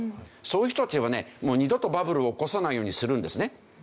そういう人たちはねもう二度とバブルを起こさないようにするんですね。